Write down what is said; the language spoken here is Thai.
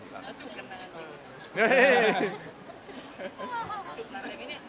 จุดกำลังอะไรอย่างนี้